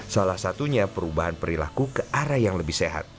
salah satunya perubahan perilaku ke arah yang lebih sehat